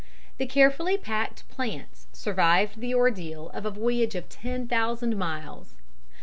The carefully packed plants survived the ordeal of a voyage of ten thousand miles.